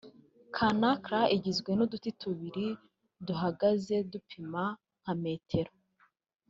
Kanakra igizwe n’uduti tubiri duhagaze dupima nka metero